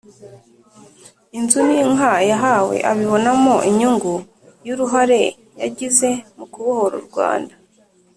inzu n’inka yahawe abibonamo inyungu y’uruhare yagize mu kubohora u Rwanda